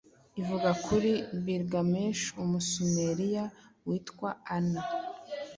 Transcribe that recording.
ivuga kuri Bilgamesh Umusumeriya witwa ana